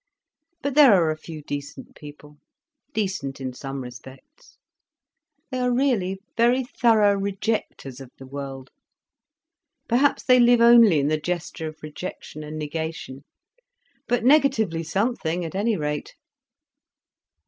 But there are a few decent people, decent in some respects. They are really very thorough rejecters of the world—perhaps they live only in the gesture of rejection and negation—but negatively something, at any rate."